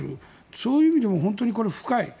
そういう意味でも本当に深い。